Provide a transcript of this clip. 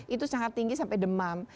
itu sangat tinggi sampai demam